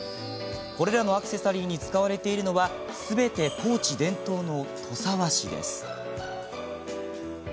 これらのアクセサリーに使われているのはすべて高知伝統の土佐和紙です。